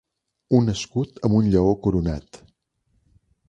Un escut amb un lleó coronat.